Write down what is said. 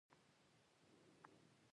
غریب له خیر او برکت سره اشنا وي